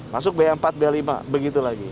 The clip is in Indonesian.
masuk b empat b lima begitu lagi